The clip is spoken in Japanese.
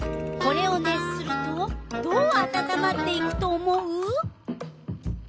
これを熱するとどうあたたまっていくと思う？